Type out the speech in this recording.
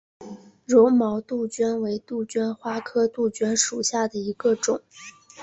绒毛杜鹃为杜鹃花科杜鹃属下的一个种。